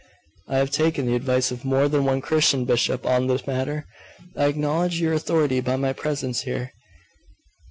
'I have taken the advice of more than one Christian bishop on the matter. I acknowledge your authority by my presence here.